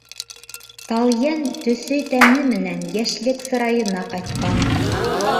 Талйән төҫө-тәне менән йәшлек сырайына ҡайтҡан.